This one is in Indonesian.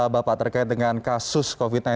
bapak terkait dengan kasus covid sembilan belas